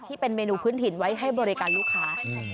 ที่เป็นเมนูพื้นถิ่นไว้ให้บริการลูกค้า